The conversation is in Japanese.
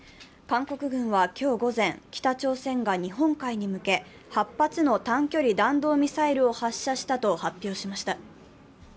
韓国軍は今日午前、北朝鮮が日本海に向け８発の短距離弾道ミサイルを発射したと発表しました。